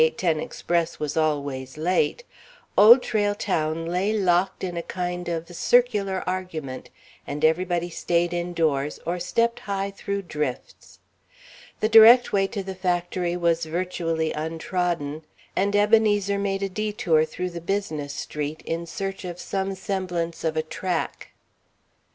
10 Express was always late, Old Trail Town lay locked in a kind of circular argument, and everybody stayed indoors or stepped high through drifts. The direct way to the factory was virtually untrodden, and Ebenezer made a detour through the business street in search of some semblance of a "track."